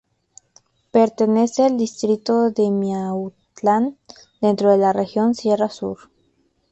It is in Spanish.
Pertenece al distrito de Miahuatlán, dentro de la región sierra sur.